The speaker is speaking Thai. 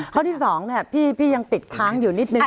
ข้อที่สองนี่พี่พี่ยังติดค้างอยู่นิดนึง